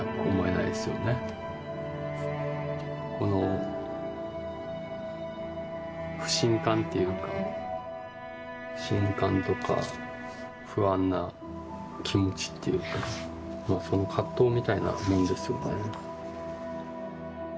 この不信感っていうか不信感とか不安な気持ちっていうかその葛藤みたいなもんですよね。